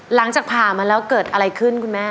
หลังจากผ่ามาแล้วเกิดอะไรขึ้นคุณแม่